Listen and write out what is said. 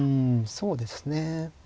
そうですね。